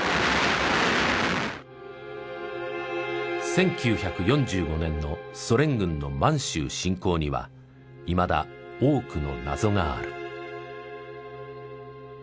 １９４５年のソ連軍の満州侵攻にはいまだ多くの謎がある。